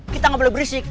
kita nggak boleh berisik